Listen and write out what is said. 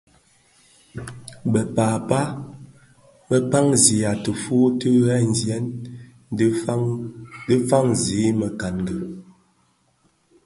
Bë pääpa bë kpaňzigha tifuu ti ghemzyèn dhi faňzi mekangi.